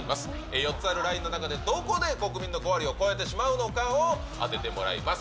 ４つあるラインの中でどこで国民の５割を超えてしまうのかを当ててもらいます。